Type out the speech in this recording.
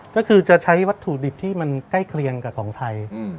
ก็คือจะใช้วัตถุดิบที่มันใกล้เคียงกับของไทย